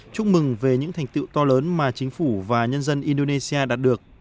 chúc mừng về những thành tựu to lớn mà chính phủ và nhân dân indonesia đạt được